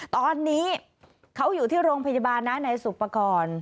ตอนนี้เขาอยู่ที่โรงพยาบาลนะในสุปกรณ์